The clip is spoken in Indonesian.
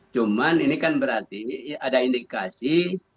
cuman ini kan berarti ada indikasi